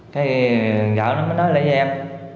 thế gạo nó mới nói lại cho em